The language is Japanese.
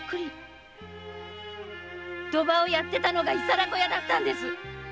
賭場をやってたのが伊皿子屋だったんです！